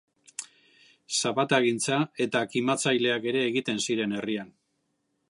Zapatagintza eta kimatzaileak ere egiten ziren herrian.